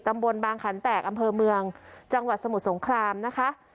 บางขันแตกอำเภอเมืองจังหวัดสมุทรสงครามนะคะ